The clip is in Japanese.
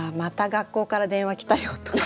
学校から電話来たよとか。